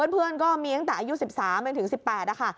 เพื่อนก็มีตั้งแต่อายุ๑๓จนถึง๑๘นะคะ